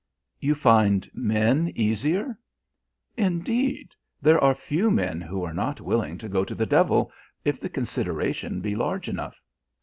"You find men easier?" "Indeed, there are few men who are not willing to go to the devil if the consideration be large enough.